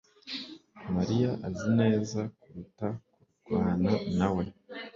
mariya azi neza kuruta kurwana nawe